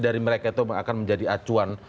dari mereka itu akan menjadi acuan